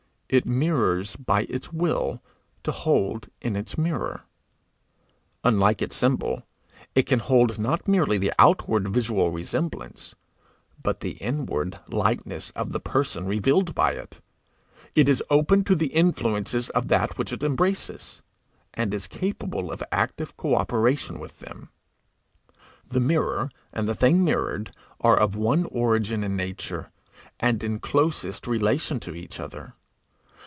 It mirrors by its will to hold in its mirror. Unlike its symbol, it can hold not merely the outward visual resemblance, but the inward likeness of the person revealed by it; it is open to the influences of that which it embraces, and is capable of active co operation with them: the mirror and the thing mirrored are of one origin and nature, and in closest relation to each other.